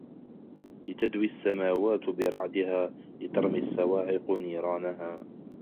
لِتَدْوِ السَّمَاوَات بِرَعْدِهَا لِتَرْمِ الصَّوَاعِقُ نِيرَانَهَا